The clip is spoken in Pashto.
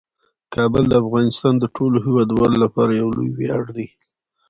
کابل د افغانستان د ټولو هیوادوالو لپاره یو لوی ویاړ دی.